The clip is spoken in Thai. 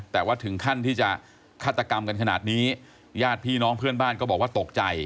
แต่ว่าถึงขั้นที่จะฆาตกรรมกันขนาดนี้ญาติพี่น้องเพื่อนบ้านก็บอกว่าตกใจ